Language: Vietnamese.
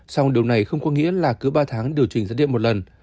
song điều này không có nghĩa là cứ ba tháng điều chỉnh giá điện một lần